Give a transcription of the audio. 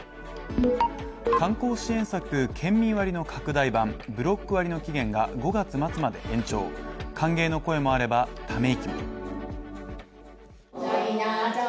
観光支援策、県民割の拡大版ブロック割の期限が５月末まで延長歓迎の声もあれば、ため息も。